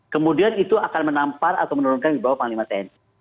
kemudian itu akan menampar atau menurunkan di bawah panglima tni